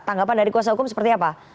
tanggapan dari kuasa hukum seperti apa